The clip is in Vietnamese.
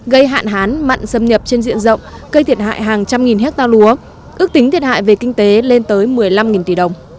gây hạn hán mặn xâm nhập trên diện rộng gây thiệt hại hàng trăm nghìn hecta lúa ước tính thiệt hại về kinh tế lên tới một mươi năm tỷ đồng